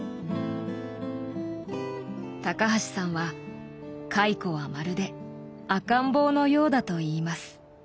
高橋さんは蚕はまるで赤ん坊のようだといいます。